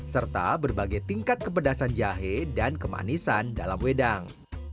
serta berbagai tingkat kepedasan jahe dan kemanisan dalam wedang